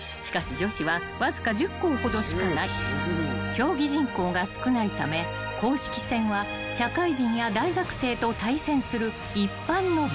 ［競技人口が少ないため公式戦は社会人や大学生と対戦する一般の部］